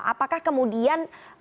apakah kemudian ini bisa terlaksana